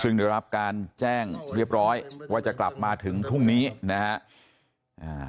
ซึ่งได้รับการแจ้งเรียบร้อยว่าจะกลับมาถึงพรุ่งนี้นะฮะ